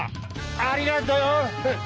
ありがとよ！